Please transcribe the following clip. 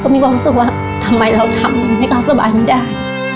มีความรู้สึกว่าทำไมเราทำให้เขาสบายไม่ได้